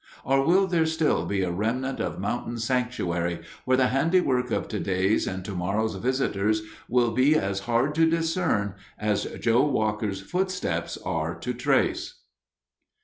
Or will there still be a remnant of mountain sanctuary, where the handiwork of today's and tomorrow's visitors will be as hard to discern as Joe Walker's footsteps are to trace?